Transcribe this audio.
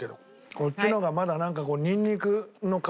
こっちの方がまだなんか。